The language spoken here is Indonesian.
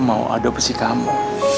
om mau adopsi kamu